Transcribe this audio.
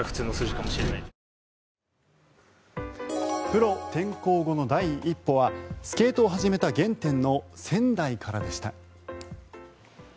プロ転向後の第一歩はスケートを始めた原点の仙台からでした。